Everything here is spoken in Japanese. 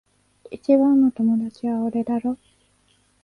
一番の友達は俺だろ？